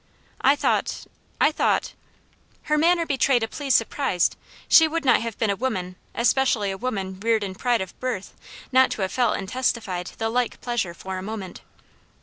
I thought I thought " Her manner betrayed a pleased surprise: she would not have been a woman, especially a woman reared in pride of birth, not to have felt and testified the like pleasure for a moment.